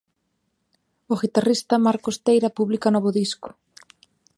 O guitarrista Marcos Teira publica novo disco.